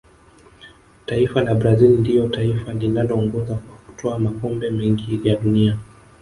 taifa la brazil ndiyo taifa linaloongoza kwa kutwaa makombe mengi ya dunia